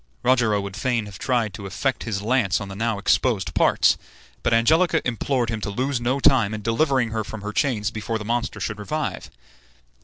Rogero would fain have tried the effect of his lance on the now exposed parts, but Angelica implored him to lose no time in delivering her from her chains before the monster should revive.